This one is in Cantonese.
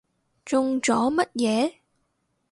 中咗乜嘢？